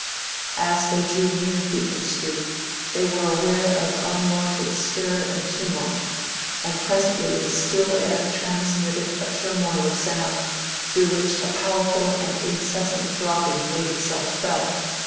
As they drew near Beacon Street they were aware of unwonted stir and tumult, and presently the still air transmitted a turmoil of sound, through which a powerful and incessant throbbing made itself felt.